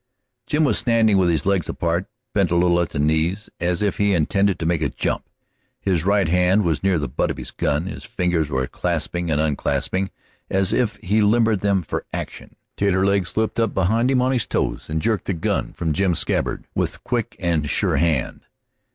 Jim was standing with his legs apart, bent a little at the knees, as if he intended to make a jump. His right hand was near the butt of his gun, his fingers were clasping and unclasping, as if he limbered them for action. Taterleg slipped up behind him on his toes, and jerked the gun from Jim's scabbard with quick and sure hand.